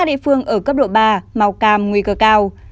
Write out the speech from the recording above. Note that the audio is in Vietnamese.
địa phương ở cấp độ ba màu cam nguy cơ cao